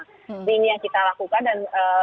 jadi ini yang kita lakukan dan